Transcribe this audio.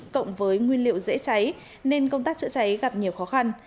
cộng với nguyên liệu dễ cháy nên công tác chữa cháy gặp nhiều khó khăn